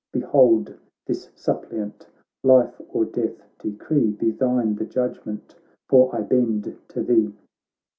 Behold this suppliant ! life or death de cree ; Be thine the judgement, for I bend to thee.'